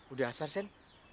udah asar sen